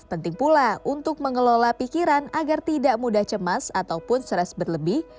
penting pula untuk mengelola pikiran agar tidak mudah cemas ataupun stres berlebih